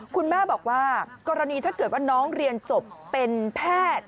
คุณแม่บอกว่ากรณีถ้าเกิดว่าน้องเรียนจบเป็นแพทย์